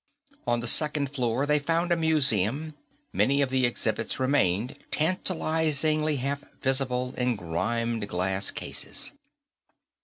On the second floor, they found a museum; many of the exhibits remained, tantalizingly half visible in grimed glass cases.